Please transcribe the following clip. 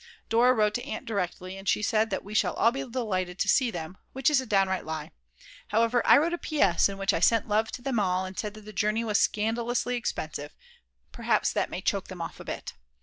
Dora wrote to Aunt directly, and she said that we shall all be delighted to see them, which is a downright lie. However, I wrote a P.S. in which I sent love to them all, and said that the journey was scandalously expensive; perhaps that may choke them off a bit.